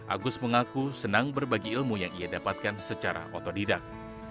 agus mengaku senang berbagi ilmu yang ia dapatkan secara otodidak